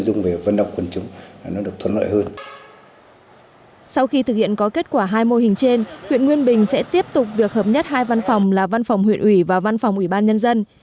đồng thời là giám đốc trung tâm huyện ủy và văn phòng ủy ban nhân dân